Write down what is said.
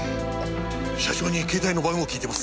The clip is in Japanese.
車掌に携帯の番号聞いてます。